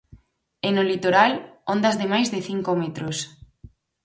E no litoral, ondas de máis de cinco metros.